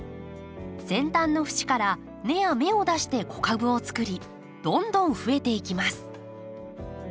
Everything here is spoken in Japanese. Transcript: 先端の節から根や芽を出して子株をつくりどんどん増えていきます。